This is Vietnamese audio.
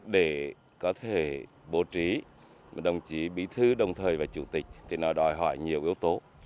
để có thể bố trí một đồng chí bí thư đồng thời và chủ tịch thì nó đòi hỏi nhiều yếu tố